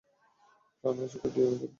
প্রাণ আছে তো ডিএনএ থাকবেই!